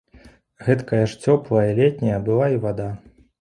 Гэткая ж цёплая, летняя была і вада.